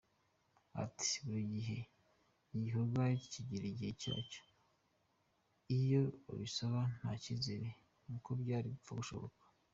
Ati "Buri gikorwa kigira igihe cyacyo, iyo babisaba nta cyizere ko byari gupfa gushoboka.